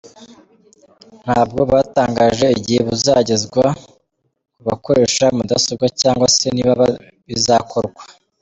Ntabwo batangaje igihe buzagezwa ku bakoresha mudasobwa cyangwa se niba bizakorwa.